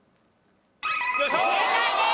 正解です！